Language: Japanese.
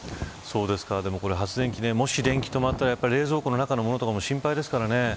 発電機が、もし電気が止まったら冷蔵庫の中のものとかも心配ですね。